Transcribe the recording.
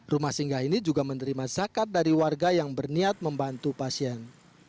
rumah singgah ini juga menerima zakat dari warga yang berniat membantu pasien